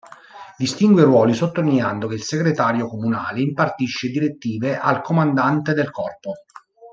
Distingue i ruoli sottolineando che “Il Segretario comunale impartisce direttive al Comandante del Corpo”.